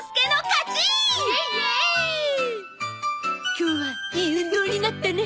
今日はいい運動になったね。